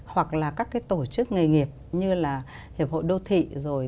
hoặc là các cái tổ chức nghề nghiệp như là hiệp hội đô thị rồi